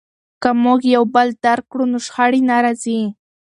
که موږ یو بل درک کړو نو شخړې نه راځي.